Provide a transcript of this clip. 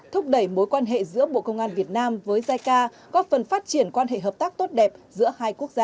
thúc đẩy mối quan hệ giữa bộ công an việt nam với jica góp phần phát triển quan hệ hợp tác tốt đẹp giữa hai quốc gia